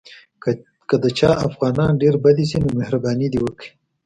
که د چا افغانان ډېر بد ایسي نو مهرباني دې وکړي.